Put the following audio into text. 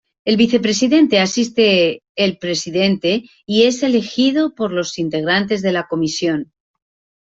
El Vicepresidente asiste el Presidente y es elegido por los integrantes de la Comisión.